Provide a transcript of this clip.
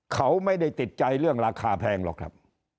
เขาไม่ได้ติดใจเรื่องราคาแพงหรอกครับ